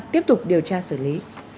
tiếp tục điều tra xử lý